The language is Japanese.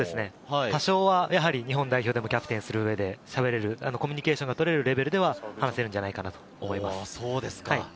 多少は日本代表でもキャプテンをする上で、しゃべれる、コミュニケーションを取れるレベルでは話せるんじゃないかなと思います。